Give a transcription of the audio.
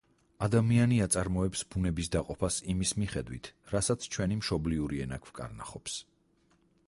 ადამიანი აწარმოებს ბუნების დაყოფას იმის მიხედვით, რასაც ჩვენი მშობლიური ენა გვკარნახობს.